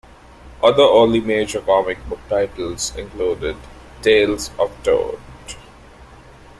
Other early major comic book titles included "Tales of Toad".